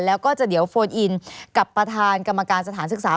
แล้วก็จะเดี๋ยวโฟนอินกับประธานกรรมการสถานศึกษา